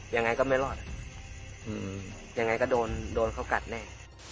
ยังไงก็ไม่รอดยังไงก็โดนโดนเขากัดแน่